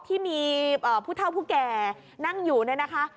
ที่มีผู้เท่าผู้แก่นั่งอยู่เนี่ยนะคะ